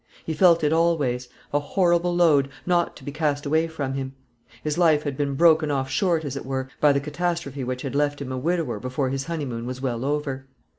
He felt it always; a horrible load, not to be cast away from him. His life had been broken off short, as it were, by the catastrophe which had left him a widower before his honeymoon was well over.